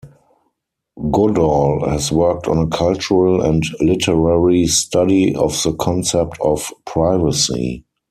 Goodall has worked on a cultural and literary study of the concept of privacy.